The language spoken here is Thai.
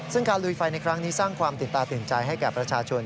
ซึ่งการลุยไฟในครั้งนี้สร้างความตื่นตาตื่นใจให้แก่ประชาชน